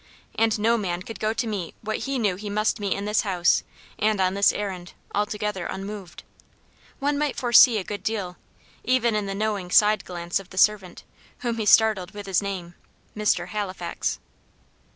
And no man could go to meet what he knew he must meet in this house, and on this errand, altogether unmoved. One might foresee a good deal even in the knowing side glance of the servant, whom he startled with his name, "Mr. Halifax."